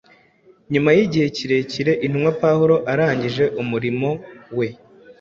Nyuma y’igihe kirekire intumwa Pawulo arangije umurimo we,